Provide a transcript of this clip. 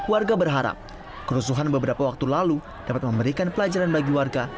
warga berharap kerusuhan beberapa waktu lalu dapat memberikan pelajaran bagi warga